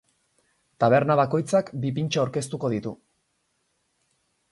Taberna bakoitzak bi pintxo aurkeztuko ditu.